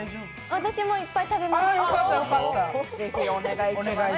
私もいっぱい食べます。